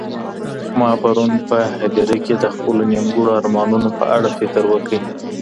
ما پرون په هدیره کي د خپلو نیمګړو ارمانونو په اړه فکر وکړی.